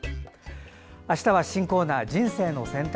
あしたは新コーナー「人生の選択」。